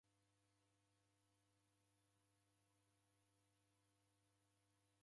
Naw'enda harusinyi